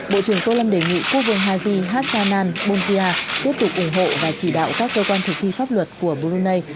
bộ trưởng tô lâm đề nghị quốc vương hazi hassanan bolkiah tiếp tục ủng hộ và chỉ đạo các cơ quan thực thi pháp luật của brunei